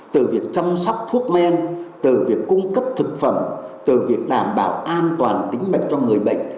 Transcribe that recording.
từ việc chăm sóc thuốc men từ việc cung cấp thực phẩm từ việc đảm bảo an toàn tính mệnh cho người bệnh